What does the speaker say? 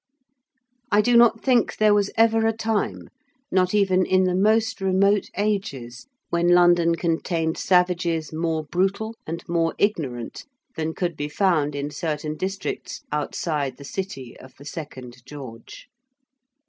I do not think there was ever a time, not even in the most remote ages, when London contained savages more brutal and more ignorant than could be found in certain districts outside the City of the Second George.